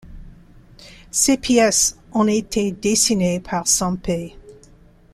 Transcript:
Ces pièces ont été dessinées par Sempé.